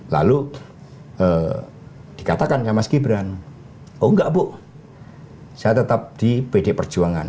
lalu dikatakan ya mas gibran oh enggak bu saya tetap di pd perjuangan